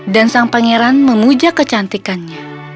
dan sang pangeran memuja kecantikannya